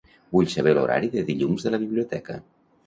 Vull saber l'horari de dilluns de la biblioteca.